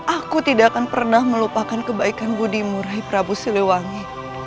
aku tidak akan pernah melupakan kebaikan budi murahi prabu siliwangi